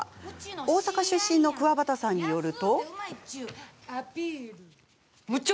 大阪出身のくわばたさんによると。